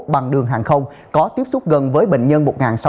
bằng đường hàng không có tiếp xúc gần với bệnh nhân một sáu trăm một mươi hai